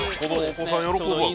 ◆お子さん喜ぶわ。